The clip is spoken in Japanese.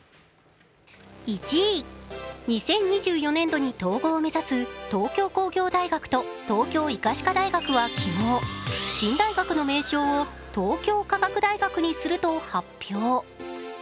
１位、２０２４年度に統合を目指す東京工業大学と東京医科歯科大学は昨日、新大学の名称を東京科学大学にすると発表。